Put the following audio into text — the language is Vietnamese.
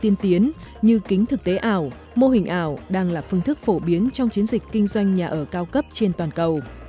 tiên tiến như kính thực tế ảo mô hình ảo đang là phương thức phổ biến trong chiến dịch kinh doanh nhà ở cao cấp trên toàn cầu